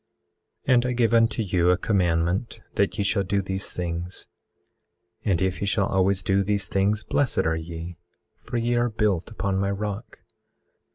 18:12 And I give unto you a commandment that ye shall do these things. And if ye shall always do these things blessed are ye, for ye are built upon my rock.